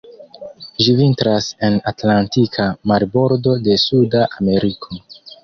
Ĝi vintras en atlantika marbordo de Suda Ameriko.